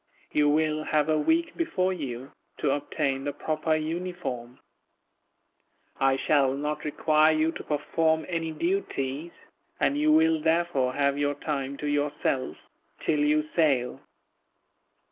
You will have a week before you, to obtain the proper uniform. I shall not require you to perform any duties, and you will therefore have your time to yourself, till you sail.